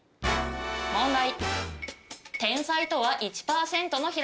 問題。